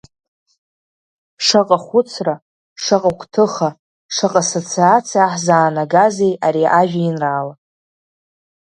Шаҟа хәыцра, шаҟа гәҭыха, шаҟа социациа ҳзаанагазеи ари ажәеинраала!